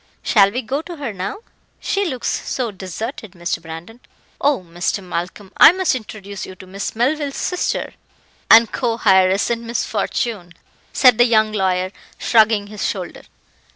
"Shall we go to her now? she looks so deserted, Mr. Brandon. Oh! Mr. Malcolm, I must introduce you to Miss Melville's sister." "And co heiress in misfortune," said the young lawyer, shrugging his shoulder.